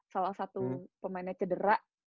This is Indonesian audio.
salah satu pemainnya cedera